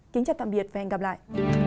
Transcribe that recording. kính chào tạm biệt và hẹn gặp lại